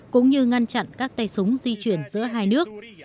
cũng như ngăn chặn các tay súng di chuyển giữa hai nước